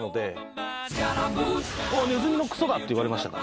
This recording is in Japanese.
「あっネズミのくそだ」って言われましたから。